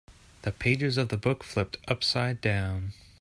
The pages of the book flipped upside down.